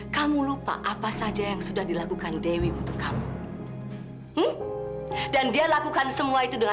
sampai jumpa di video selanjutnya